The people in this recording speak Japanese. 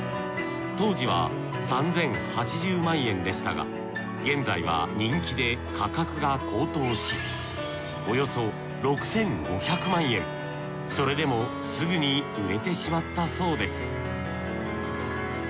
当時は３，０８０万円でしたが現在は人気で価格が高騰しそれでもすぐに売れてしまったそうです